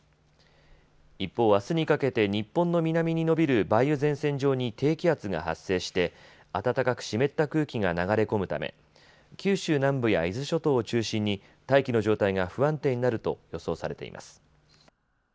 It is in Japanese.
一方、あすにかけて日本の南に延びる梅雨前線の上に低気圧が発生して暖かく湿った空気が流れ込むため九州南部や伊豆諸島を中心に大気の状態が不安定になると予想されています。